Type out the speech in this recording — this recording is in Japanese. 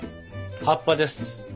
葉っぱです。